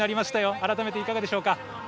改めて、いかがでしょうか？